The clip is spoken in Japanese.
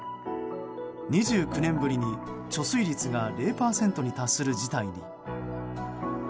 ２９年ぶりに貯水率が０％に達する事態に。